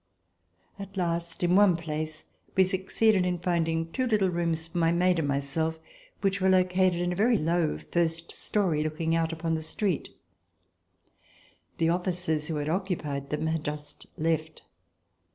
At last in one place we succeeded in finding two little rooms for my maid and myself which were located in a very low first story, looking out upon the street. The officers who occupied them had just left.